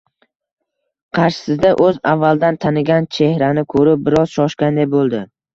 Qarshisida o'zi avvaldan tanigan chehrani ko'rib, biroz shoshganday bo'ldi.